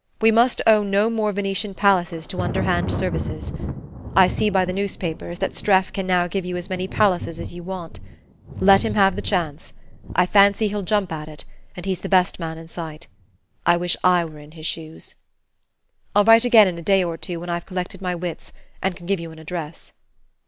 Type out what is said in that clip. We must owe no more Venetian palaces to underhand services. I see by the newspapers that Streff can now give you as many palaces as you want. Let him have the chance I fancy he'll jump at it, and he's the best man in sight. I wish I were in his shoes. "I'll write again in a day or two, when I've collected my wits, and can give you an address.